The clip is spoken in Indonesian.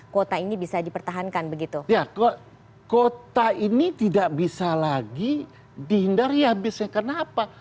kuota ini bisa dipertahankan begitu ya kok kota ini tidak bisa lagi dihindari habisnya kenapa